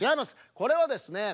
これはですねえ